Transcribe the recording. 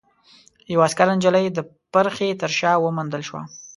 يوه عسکره نجلۍ د پرښې تر شا وموندل شوه.